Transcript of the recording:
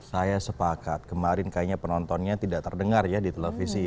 saya sepakat kemarin kayaknya penontonnya tidak terdengar ya di televisi